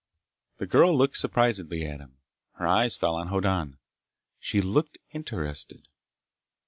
The girl looked surprisedly at him. Her eyes fell on Hoddan. She looked interested.